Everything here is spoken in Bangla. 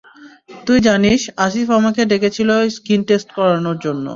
তুই জানিস, আসিফ আমাকে ডেকেছিল স্কিন টেস্ট করানর জন্য।